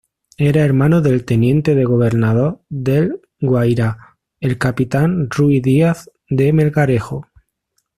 Era hermano del teniente de gobernador del Guayrá, el capitán Ruy Díaz de Melgarejo.